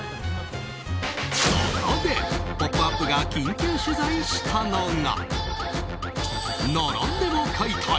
そこで「ポップＵＰ！」が緊急取材したのが並んでも買いたい！